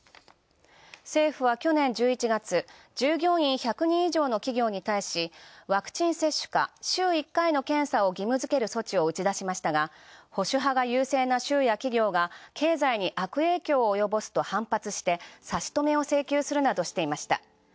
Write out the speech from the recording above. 政府は去年１１月、従業員１００人以上の企業に対し、ワクチン接種の義務付ける措置を打ち出しましたが保守派が優勢な州や企業が経済に悪影響を与えると差し止めを請求するなどしていました。